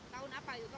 tahun apa itu